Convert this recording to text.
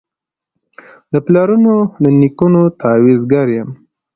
له پلرونو له نیکونو تعویذګر یم